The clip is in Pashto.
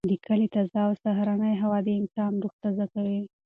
د کلي تازه او سهارنۍ هوا د انسان روح تازه کوي.